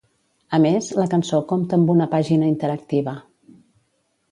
A més, la cançó compta amb una pàgina interactiva.